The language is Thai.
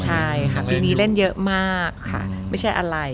ใช่ค่ะปีนี้เล่นเยอะมากค่ะไม่ใช่อะไร